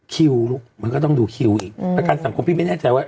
คิวลูกมันก็ต้องดูคิวอีกประกันสังคมพี่ไม่แน่ใจว่า